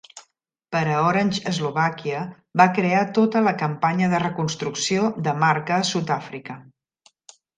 Per a Orange Slovakia, va crear tota la campanya de reconstrucció de marca a Sud-àfrica.